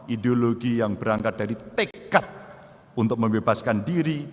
ideologi yang berangkat dari tekad untuk membebaskan diri